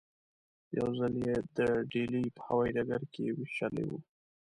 یو ځل یې د ډیلي په هوايي ډګر کې وېشلې وې.